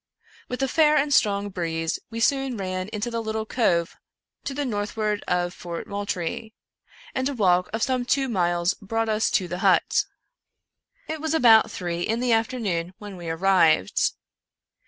With a fair and strong breeze we soon ran into the little cove to the northward of Fort Moultrie, and a walk of some two miles brought us to the hut. It was about three in the afternoon when we arrived.